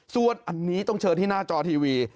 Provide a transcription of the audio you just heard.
ส่วนอันนี้ต้องเชิญที่หน้าจอทีวี